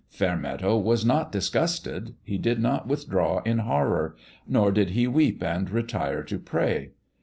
Fairmeadow was not disgusted. He did not withdraw in horror ; nor did he weep and retire to pray.